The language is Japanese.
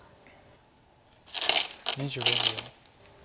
２５秒。